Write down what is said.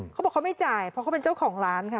เขาบอกเขาไม่จ่ายเพราะเขาเป็นเจ้าของร้านค่ะ